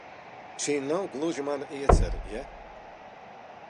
Šī nav gluži mana iecere, ja?